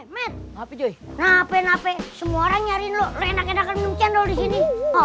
eh men joi nape nape semua orang nyari lu renak enakan minum cendol di sini